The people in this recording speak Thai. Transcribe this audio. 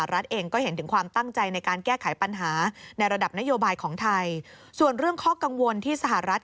เรื่องข้อกังวลที่สหรัฐรัฐ